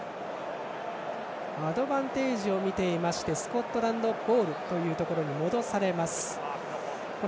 アドバンテージをみていましてスコットランドボールに戻されます。